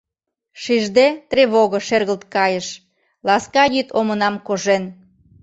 Шижде, тревого шергылт кайыш, Ласка йӱд омынам кожен.